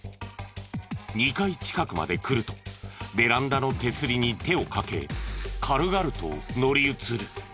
２階近くまで来るとベランダの手すりに手をかけ軽々と乗り移る。